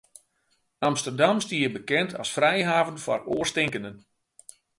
Amsterdam stie bekend as frijhaven foar oarstinkenden.